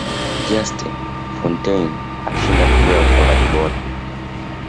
juste fontaine alishinda tuzo ya ufungaji bora